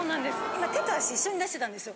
今手と足一緒に出してたんですよ。